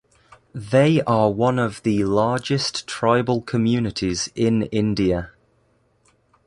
They are one of the largest tribal communities in India.